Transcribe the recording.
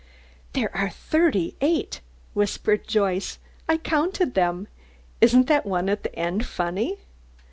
"There are thirty eight," whispered Joyce. "I counted them. Isn't that one at the end funny?